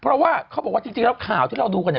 เพราะว่าเขาบอกว่าจริงแล้วข่าวที่เราดูกันเนี่ย